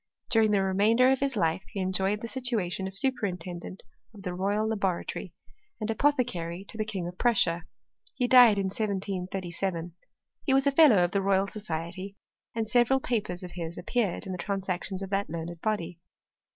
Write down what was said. During the remainder of his life he enjoyed the situation of superintendent of the Royal Laboratory, and apothecary to the King of Prussia. He died in 1737. He was a Fellow of the Royal Society, and several papers of his appeared in the Transactions of that learned body.